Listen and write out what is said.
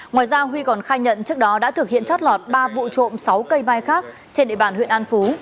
ngoài ra huy còn khai nhận trước đó đã thực hiện chót lọt ba vụ trộm sáu cây mai khác trên địa bàn huyện an phú